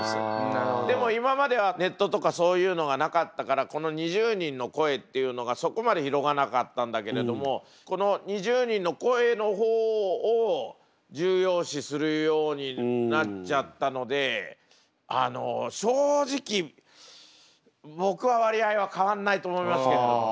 でも今まではネットとかそういうのがなかったからこの２０人の声っていうのがそこまで広がらなかったんだけれどもこの２０人の声の方を重要視するようになっちゃったのであの正直僕は割合は変わんないと思いますけれどもね。